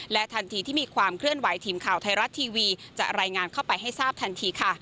ทันทีที่มีความเคลื่อนไหวทีมข่าวไทยรัฐทีวีจะรายงานเข้าไปให้ทราบทันทีค่ะ